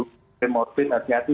semua remorbid hati hati